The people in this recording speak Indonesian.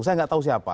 saya nggak tahu siapa